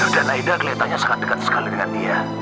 dan aida keliatannya sangat dekat sekali dengan dia